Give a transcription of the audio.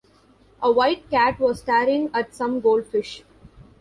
A white cat was staring at some goldfish.